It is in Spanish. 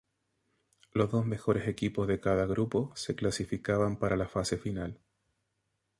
Los dos mejores equipos de cada grupo se clasificaba para la fase final.